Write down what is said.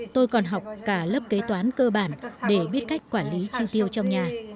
tôi còn học cả lớp kế toán cơ bản để biết cách quản lý chi tiêu trong nhà